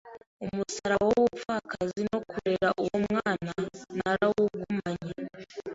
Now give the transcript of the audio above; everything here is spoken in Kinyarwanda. umusaraba w’ubupfakazi no kurera uwo mwana narawugumanye